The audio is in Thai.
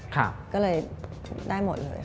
ก็เลยได้หมดเลย